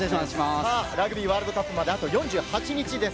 ラグビーワールドカップまで、あと４８日です。